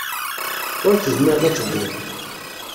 Ur tezmireḍ ad tedduḍ.